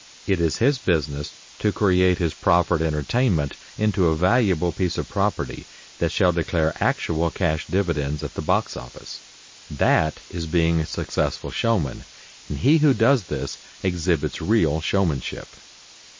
It is his business to create his proffered entertainment into a valuable piece of property that shall declare actual cash dividends at the box office. That is being a successful showman, and he who does this exhibits real showmanship.